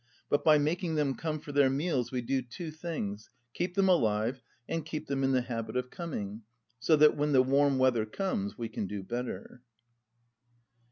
But by making them come for their meals we do two things, keep them alive, and keep them in the habit of coming, so that when the warm weather comes we can do better."